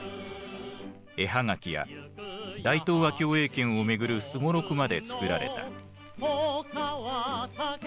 絵葉書や大東亜共栄圏を巡るすごろくまで作られた。